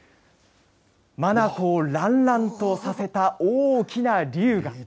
眼をらんらんとさせた大きな竜が。